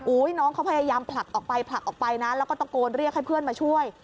โอ๊ยน้องเขาพยายามผลักออกไปและตะโกนเรียกให้เพื่อนมาช่วย